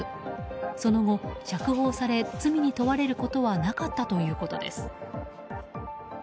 その後、釈放され罪に問われることはなかったということです。